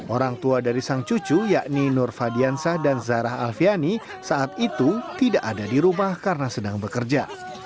orang tua dari sang cucu yakni nur fadiansah dan zarah alfiani saat itu tidak ada di rumah karena sedang bekerja